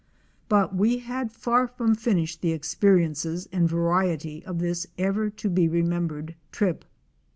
But we had far from finished the experiences and variety of this ever to be remembered trip.